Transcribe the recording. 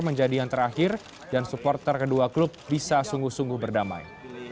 menjadi yang terakhir dan supporter kedua klub bisa sungguh sungguh berdamai